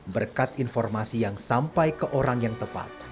berkat informasi yang sampai ke orang yang tepat